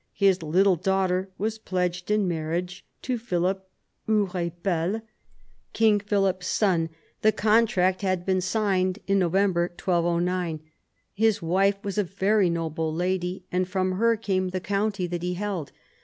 His little daughter was pledged in marriage to Philip Hurepel, King Philip's son ; the contract had been signed 84 PHILIP AUGUSTUS chap. in November 1209. His wife was a very noble lady, and from her came the county that he held.